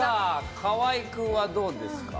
河合君はどうですか？